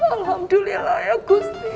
alhamdulillah ya gusti